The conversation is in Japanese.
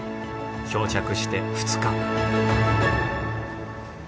漂着して２日。